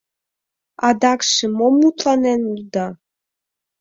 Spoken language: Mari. Адакше мом мутланен улыда?